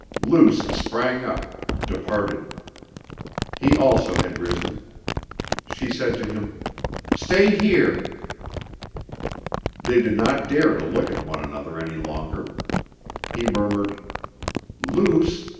Luce sprang up, departed. He also had risen. She said to him: "Stay here." They did not dare to look at one another any longer. He murmured: "Luce!